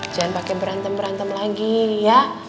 jangan pakai berantem berantem lagi ya